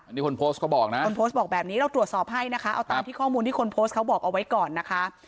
อเจมส์อสบบอกแบบนี้เราตรวจสอบให้นะคะเอาตามที่ข้อมูลที่คนโพสต์เขาบอกเอาไว้ก่อนนะคะ